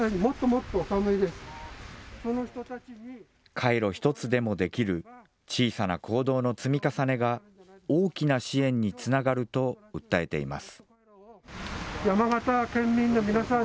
カイロ１つでもできる小さな行動の積み重ねが、大きな支援につながると訴えています。